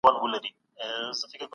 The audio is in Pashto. که څوک نه لولي هغه به هیڅ نه پوهېږي.